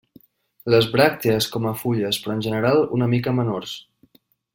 Les bràctees com a fulles, però en general una mica menors.